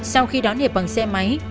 sau khi đón hiệp bằng xe máy